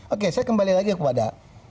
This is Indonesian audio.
oke saya kembali lagi kepada